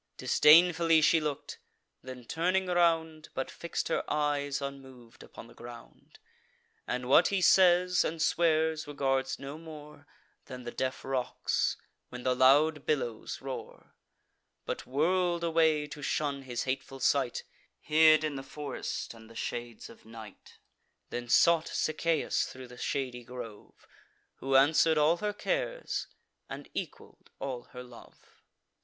Disdainfully she look'd; then turning round, But fix'd her eyes unmov'd upon the ground, And what he says and swears, regards no more Than the deaf rocks, when the loud billows roar; But whirl'd away, to shun his hateful sight, Hid in the forest and the shades of night; Then sought Sichaeus thro' the shady grove, Who answer'd all her cares, and equal'd all her love.